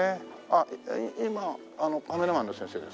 あっ今あのカメラマンの先生ですか？